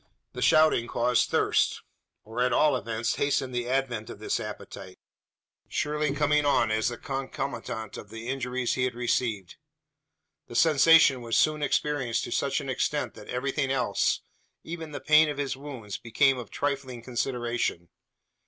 The shouting caused thirst; or at all events hastened the advent of this appetite surely coming on as the concomitant of the injuries he had received. The sensation was soon experienced to such an extent that everything else even the pain of his wounds became of trifling consideration.